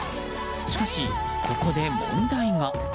しかし、ここで問題が。